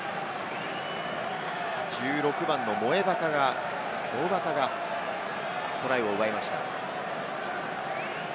１６番のモウヴァカがトライを奪いました。